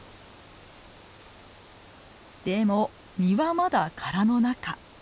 でも実はまだ殻の中。